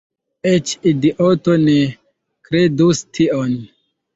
Eĉ idioto ne kredus tion.